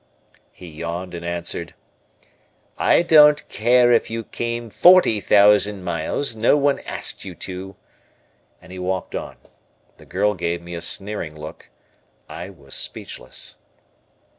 He yawned and answered, "I don't care if you came forty thousand miles, no one asked you to," and he walked on. The girl gave me a sneering look; I was speechless.